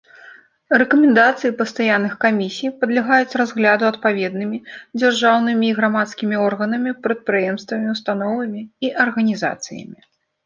Рэкамендацыі пастаянных камісій падлягаюць разгляду адпаведнымі дзяржаўнымі і грамадскімі органамі, прадпрыемствамі, установамі і арганізацыямі.